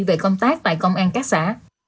về công tác tại công an các xã